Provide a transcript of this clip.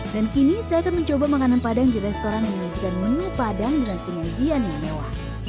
dan kini saya akan mencoba makanan padang di restoran yang menunjukkan menu padang dengan pengajian yang mewah